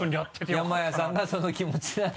山谷さんがその気持ちなら。